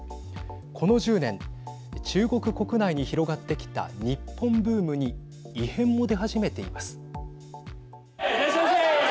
この１０年中国国内に広がってきた日本ブームに異変も出始めています。